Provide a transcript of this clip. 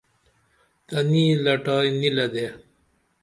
تنی لٹائی نی لدے